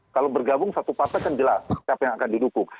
kalau bergabung satu partai kan jelas siapa yang akan didukung